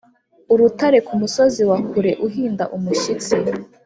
urutare kumusozi wa kure uhinda umushyitsi,